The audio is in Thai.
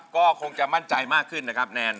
ก็คงจะมั่นใจมากขึ้นนะครับแนน